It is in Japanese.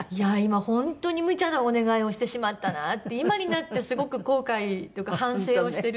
本当にむちゃなお願いをしてしまったなって今になってすごく後悔というか反省をしてるんですけれども。